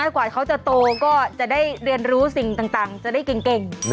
กว่าเขาจะโตก็จะได้เรียนรู้สิ่งต่างจะได้เก่ง